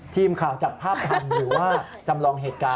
ทีมข่าวจับภาพทันหรือว่าจำลองเหตุการณ์